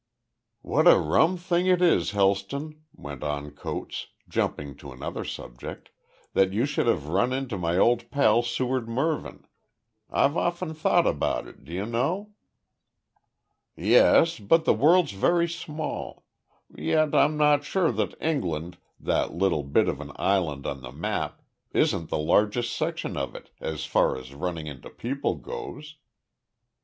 "What a rum thing it is, Helston," went on Coates, jumping to another subject, "that you should have run into my old pal Seward Mervyn. I've often thought about it, do you know?" "Yes, but the world's very small. Yet, I'm not sure that England, that little bit of an island on the map, isn't the largest section of it as far as running into people goes."